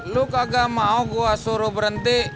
lu kagak mau gua suruh berhenti